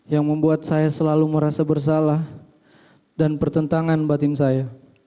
yang membuat saya selalu merasa bersalah dan pertentangan batin saya